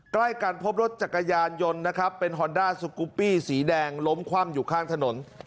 ใกล้กันพบรถจักรยานยนต์นะครับเป็นฮอนด้าสกุปปี้สีแดงล้มคว่ำอยู่ข้างถนน